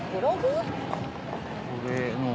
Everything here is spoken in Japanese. これの。